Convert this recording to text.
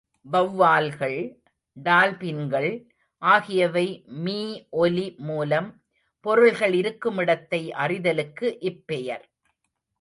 வெளவால்கள், டால்பின்கள் ஆகியவை மீஒலி மூலம் பொருள்கள் இருக்குமிடத்தை அறிதலுக்கு இப்பெயர்.